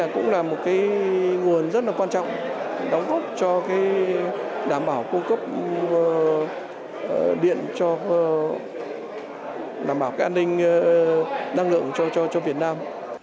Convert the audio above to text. cũng là một nguồn rất là quan trọng đóng góp cho đảm bảo cung cấp điện cho đảm bảo cái an ninh năng lượng cho việt nam